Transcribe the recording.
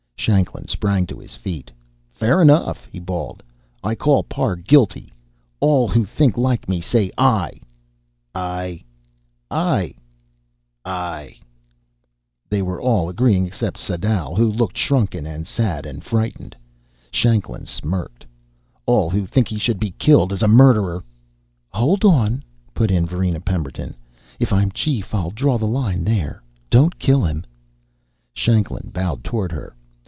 Shanklin sprang to his feet. "Fair enough!" he bawled. "I call Parr guilty. All who think like me, say aye!" "Aye!" "Aye!" "Aye!" They were all agreeing except Sadau, who looked shrunken and sad and frightened. Shanklin smirked. "All who think he should be killed as a murderer " "Hold on," put in Varina Pemberton. "If I'm chief, I'll draw the line there. Don't kill him." Shanklin bowed toward her.